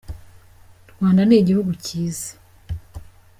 Rwanda ni igihugu cyiza.